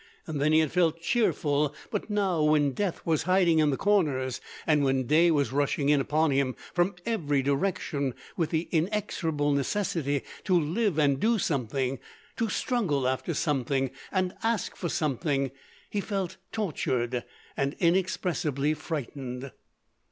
Then he had felt cheerful, but now when death was hiding in the corners, and when day was rushing in upon him from every direction with the inexorable necessity to live and do something, to struggle after something and ask for something—he felt tortured and inexpressibly frightened.